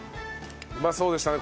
うまそうでしたね